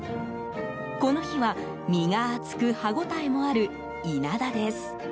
この日は、身が厚く歯応えもあるイナダです。